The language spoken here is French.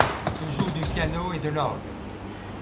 Il joue du piano et de l'orgue.